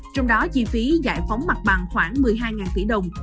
trong đó chi phí giải phóng mặt bằng khoảng một mươi hai tỷ đồng